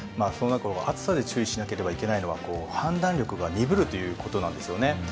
暑さで注意しなければいけないのが判断力が鈍るということなんですよね。